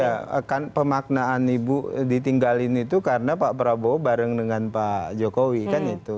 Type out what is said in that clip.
ya kan pemaknaan ibu ditinggalin itu karena pak prabowo bareng dengan pak jokowi kan itu